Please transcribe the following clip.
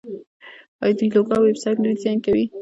آیا دوی لوګو او ویب سایټ نه ډیزاین کوي؟